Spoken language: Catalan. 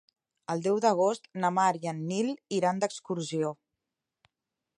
El deu d'agost na Mar i en Nil iran d'excursió.